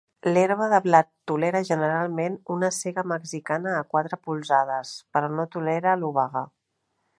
L'herba de blat tolera generalment una sega mexicana a quatre polzades, però no tolera l'obaga.